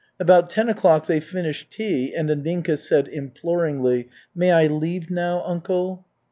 About ten o'clock they finished tea, and Anninka said imploringly: "May I leave now, uncle?"